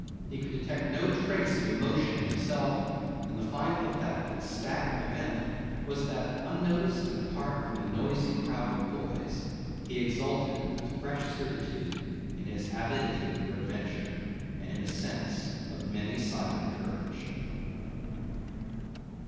He could detect no trace of emotion in himself, and the final effect of a staggering event was that, unnoticed and apart from the noisy crowd of boys, he exulted with fresh certitude in his avidity for adventure, and in a sense of many sided courage.